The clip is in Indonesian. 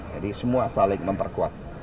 jadi semua saling memperkuat